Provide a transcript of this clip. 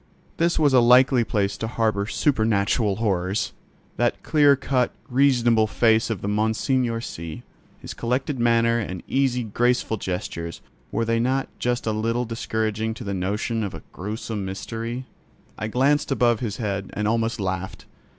This was a likely place to harbour supernatural horrors! That clear cut, reasonable face of Monseigneur C——, his collected manner and easy, graceful gestures, were they not just a little discouraging to the notion of a gruesome mystery? I glanced above his head, and almost laughed.